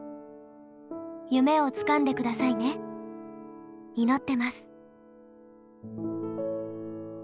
夢をつかんで下さいね祈ってます」。